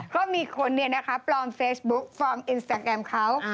ก็มีคนเนี่ยนะคะปลอมเฟซบุ๊กปลอมอินสตาแกรมเขา